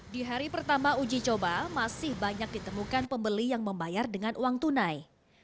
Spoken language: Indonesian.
di hari pertama uji coba masih banyak ditemukan pembeli yang membayar dengan uang tunai